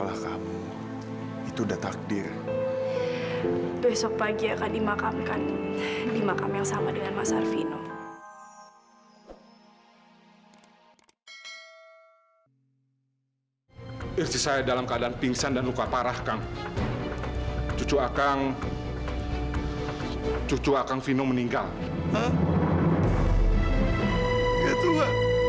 sampai jumpa di video selanjutnya